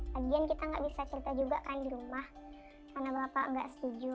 pagian kita nggak bisa cerita juga kan di rumah karena bapak nggak setuju